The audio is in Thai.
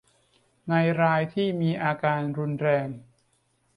ในรายที่มีอาการรุนแรง